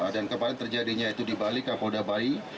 dan kemarin terjadinya itu di bali kabolda bali